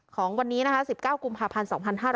ของวันนี้นะคะ๑๙กุมภาพันธ์๒๕๕๙